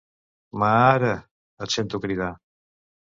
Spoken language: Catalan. Maaareee! –et sento cridar.